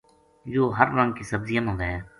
یوہ ہر رنگ کی سبزیاں ما وھے